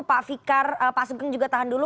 pak fikar pak sugeng juga tahan dulu